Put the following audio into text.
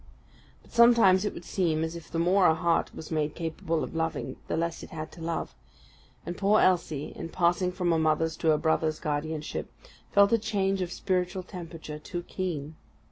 But sometimes it would seem as if the more a heart was made capable of loving, the less it had to love; and poor Elsie, in passing from a mother's to a brother's guardianship, felt a change of spiritual temperature too keen.